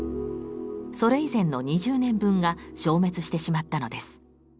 それ以前の２０年分が消滅してしまったのです。